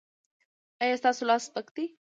ایا ستاسو لاس سپک دی؟